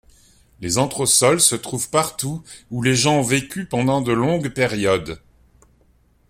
Les anthrosols se trouvent partout où les gens ont vécu pendant de longues périodes.